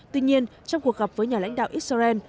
tuy nhiên trong cuộc gặp với nhà lãnh đạo israel